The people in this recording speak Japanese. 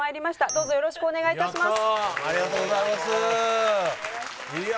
どうぞよろしくお願い致します。